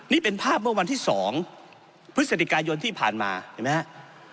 นี่เป็นภาพเมื่อวันที่๒พฤศจิกายนที่ผ่านมาเห็นไหมครับ